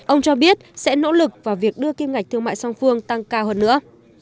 ông cho biết sẽ nỗ lực vào việc đưa kim ngạch thương mại song phương tăng cao hơn nữa